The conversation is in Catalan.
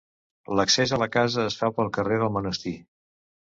L'accés a la casa es fa pel carrer del Monestir.